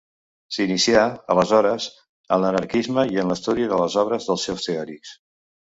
S'inicià, aleshores, en l'anarquisme i en l'estudi de les obres dels seus teòrics.